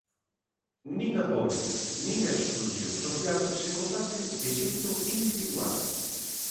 Nin a pobreza nin a exclusión social se combaten de xeito individual.